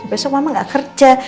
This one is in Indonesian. besok mama gak kerja